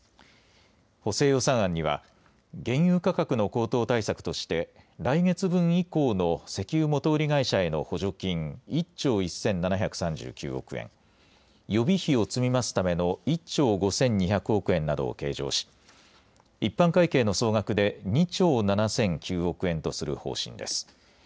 補正予算案には、原油価格の高騰対策として、来月分以降の石油元売り会社への補助金１兆１７３９億円、予備費を積み増すための１兆５２００億円などを計上し、一般会計の総額で２兆７００９億円とする方針です。